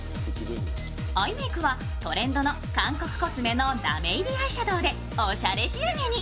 アイメークはトレンドの韓国コスメのラメ入りアイシャドウでおしゃれ仕上げに。